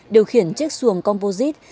điều khiển chiếc xuồng composite